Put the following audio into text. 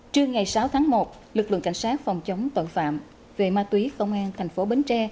trưa ngày sáu tháng một lực lượng cảnh sát phòng chống tội phạm về ma túy công an thành phố bến tre